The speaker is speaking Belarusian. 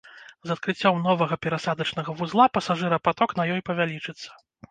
З адкрыццём новага перасадачнага вузла пасажырапаток на ёй павялічыцца.